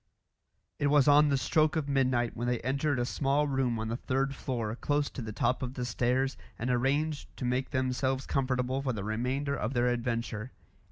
It was on the stroke of midnight when they entered a small room on the third floor, close to the top of the stairs, and arranged to make themselves comfortable for the remainder of their adventure.